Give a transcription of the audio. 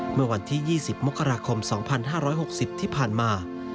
เมื่อวันที่๒๐มกราคม๒๕๖๐ที่ผ่านมา